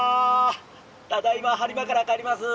ただいま播磨から帰ります。